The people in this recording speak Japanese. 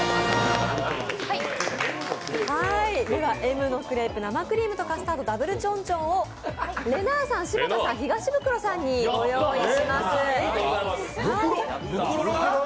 Ｍのクレープの生クリームとカスタードＷちょんちょんをれなぁさん、柴田さん、東ブクロさんにご用意しています。